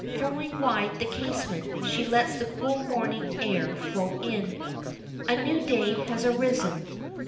Throwing wide the casement, she lets the cool morning air flow in. A new day has arisen.